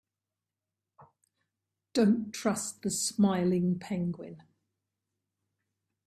Don't trust the smiling penguin.